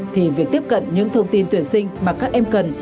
thì việc tiếp cận những thông tin tuyển sinh mà các em cần